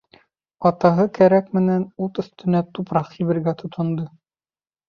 Атаһы кәрәк менән ут өҫтөнә тупраҡ һибергә тотондо.